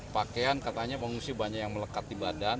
pakaian katanya pengungsi banyak yang melekat di badan